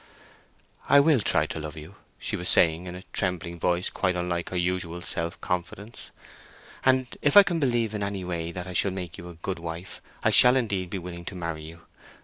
"I will try to love you," she was saying, in a trembling voice quite unlike her usual self confidence. "And if I can believe in any way that I shall make you a good wife I shall indeed be willing to marry you.